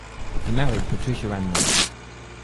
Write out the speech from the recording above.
He married Patricia Ann Norris.